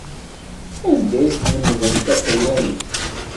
Anda i tlemdem taṭelyanit?